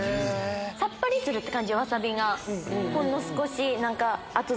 さっぱりするって感じワサビがほんの少し。